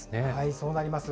そうなります。